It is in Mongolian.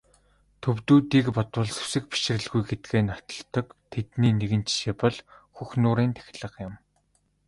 Төвөдүүдийг бодвол сүсэг бишрэлгүй гэдгээ нотолдог тэдний нэгэн жишээ бол Хөх нуурын тахилга юм.